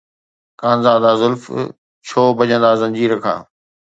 خانزادا زلف، ڇو ڀڄندا زنجير کان؟